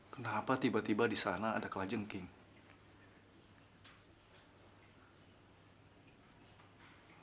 kenapa tiba tiba disana kesengkingan